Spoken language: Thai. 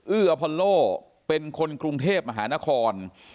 อพอลโลเป็นคนกรุงเทพมหานคร